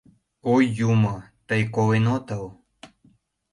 Ой, юмо, тый колен отыл!